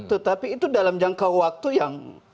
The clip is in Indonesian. tetapi itu dalam jangka waktu yang